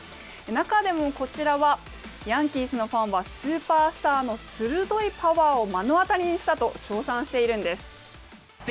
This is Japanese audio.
中でも、こちらはヤンキースのファンはスーパースターの鋭いパワーを目の当たりにしたと称賛しているんです。